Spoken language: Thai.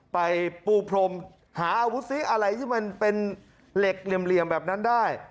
ไปปูพรมหาอาวุธซิอะไรที่มันเป็นเหล็กเหลี่ยมแบบนั้นได้